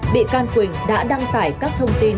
bị can quỳnh đã đăng tải các thông tin